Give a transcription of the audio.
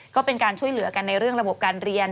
ก็เป็นการช่วยเหลือกันในเรื่องระบบการเรียน